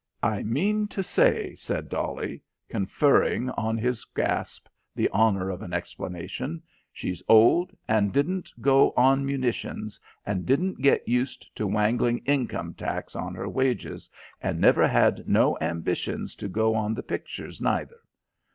"I mean to say," said Dolly, conferring on his gasp the honour of an explanation, "she's old and didn't go on munitions, and didn't get used to wangling income tax on her wages, and never had no ambitions to go on the pictures, neither.